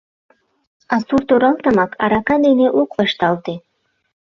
А сурт оралтымак арака дене ок вашталте.